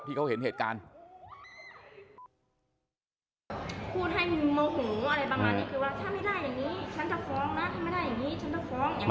ที่เขาเห็นเหตุการณ์